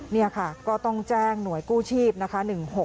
นี่ค่ะก็ต้องแจ้งหน่วยกู้ชีพนะคะ